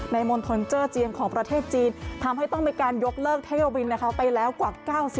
มณฑลเจอร์เจียงของประเทศจีนทำให้ต้องมีการยกเลิกเที่ยวบินนะคะไปแล้วกว่า๙๐